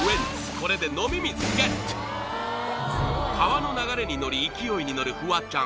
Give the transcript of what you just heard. これで飲み水ＧＥＴ川の流れに乗り勢いに乗るフワちゃん